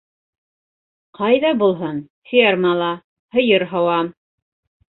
Ҡайҙа булһын - фермала! һыйыр һауам!